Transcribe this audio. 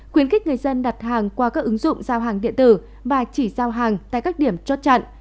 khuyến khích người dân đặt hàng qua các ứng dụng giao hàng điện tử và chỉ giao hàng tại các điểm chốt chặn